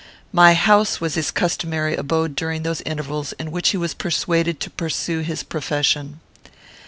My house was his customary abode during those intervals in which he was persuaded to pursue his profession.